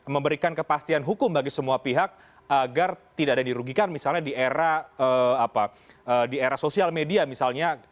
memberikan kepastian hukum bagi semua pihak agar tidak ada dirugikan misalnya di era sosial media misalnya